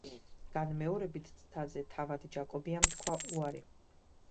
განმეორებით ცდაზე თავად ჯაკობიამ თქვა უარი.